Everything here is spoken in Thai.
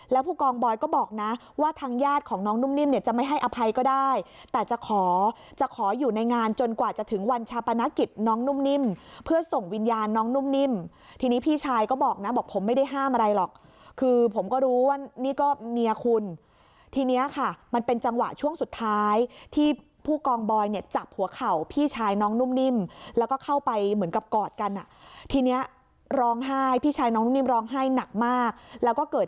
แล้วผู้กองบอยก็บอกนะว่าทางญาติของน้องนุ่มนิ่มเนี่ยจะไม่ให้อภัยก็ได้แต่จะขอจะขออยู่ในงานจนกว่าจะถึงวันชาปนกิจน้องนุ่มนิ่มเพื่อส่งวิญญาณน้องนุ่มนิ่มทีนี้พี่ชายก็บอกนะบอกผมไม่ได้ห้ามอะไรหรอกคือผมก็รู้ว่านี่ก็เมียคุณที่เนี้ยค่ะมันเป็นจังหวะช่วงสุดท้ายที่ผู้กองบอยเนี่ยจับหัวเข่